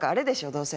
どうせ。